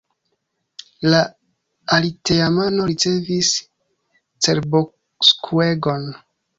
La aliteamano ricevis cerboskuegon.